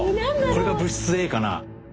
これが物質Ａかな？